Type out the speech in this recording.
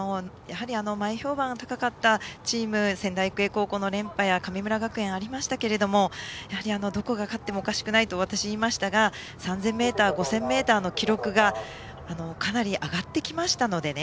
前評判の高かったチーム仙台育英高校の連覇や神村学園もありましたがどこが勝ってもおかしくないと私、言いましたが３０００ｍ、５０００ｍの記録がかなり上がってきましたのでね